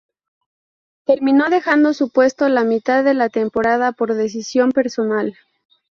Terminó dejando su puesto la mitad de la temporada por decisión personal.